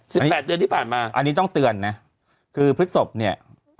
แปดเดือนที่ผ่านมาอันนี้ต้องเตือนนะคือพฤศพเนี่ย